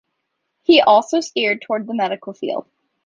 He also steered toward the medical field.